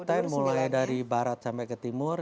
top ten mulai dari barat sampai ke timur